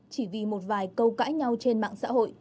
chỉ vì một vài câu cãi nhau trên mạng xã hội